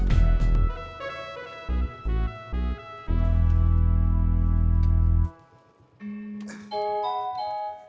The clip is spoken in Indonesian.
ini ada di lohkota